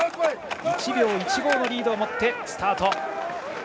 １秒１５のリードを持ってスタート。